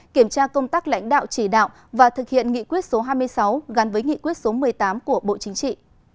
kiểm tra công tác lãnh đạo chỉ đạo và thực hiện nghị quyết số hai mươi sáu gắn với nghị quyết số một mươi tám của bộ chính trị